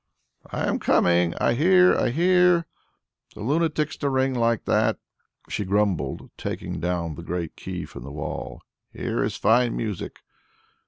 "I am coming! I hear! I hear! The lunatics to ring like that!" she grumbled, taking down the great key from the wall; "here is fine music."